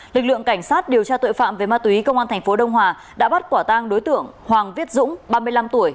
lực lượng cảnh sát điều tra tội phạm về ma túy công an tp đông hòa đã bắt quả tang đối tượng hoàng viết dũng ba mươi năm tuổi